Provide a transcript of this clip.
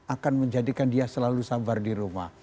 akan menjadikan dia selalu sabar di rumah